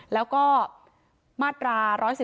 แล้วก็มาตรา๑๑๒